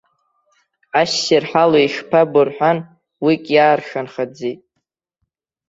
Ассир ҳала ишԥабо рҳәан, уик иааршанхаӡеит.